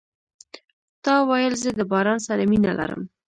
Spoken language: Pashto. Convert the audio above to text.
تا ویل زه د باران سره مینه لرم .